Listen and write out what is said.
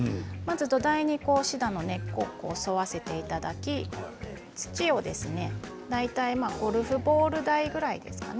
土台にシダの根っこを沿わせていただいて土をゴルフボール大ぐらいでしょうかね。